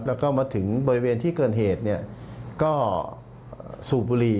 แล้วก็มาถึงบริเวณที่เกิดเหตุเนี่ยก็สูบบุรี